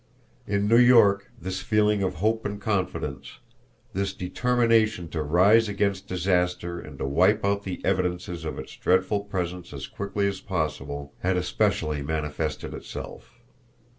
In New York this feeling of hope and confidence, this determination to rise against disaster and to wipe out the evidences of its dreadful presence as quickly as possible, had especially manifested itself.